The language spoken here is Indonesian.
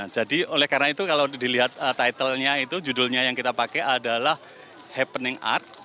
jadi oleh karena itu kalau dilihat titelnya itu judulnya yang kita pakai adalah happening art